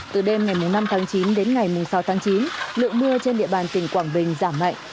từ đêm ngày năm tháng chín đến ngày sáu tháng chín lượng mưa trên địa bàn tỉnh quảng bình giảm mạnh